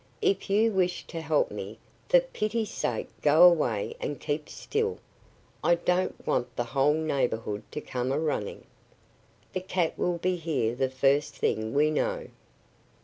"If you wish to help me, for pity's sake go away and keep still! I don't want the whole neighborhood to come a running. The cat will be here the first thing we know."